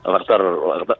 faktor dari sdm